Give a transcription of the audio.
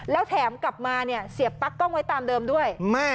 แล้วแถมกลับมาเนี่ยเสียปั๊กกล้องไว้ตามเดิมด้วย